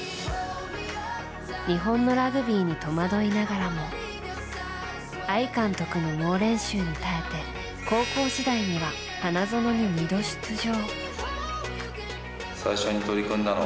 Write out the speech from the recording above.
日本のラグビーに戸惑いながらも相監督の猛練習に耐えて高校時代には花園に２度出場。